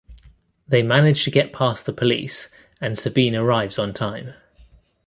They manage to get past the police, and Sabine arrives on time.